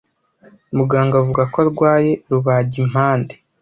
Muganga avuga ko arwaye rubagimpande.